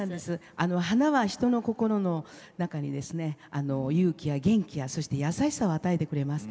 花は人の心の中に勇気や元気やそして優しさを与えてくれます。